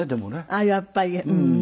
あっやっぱり。